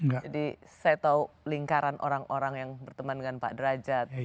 jadi saya tahu lingkaran orang orang yang berteman dengan pak derajat